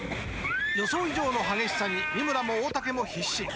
［予想以上の激しさに三村も大竹も必死］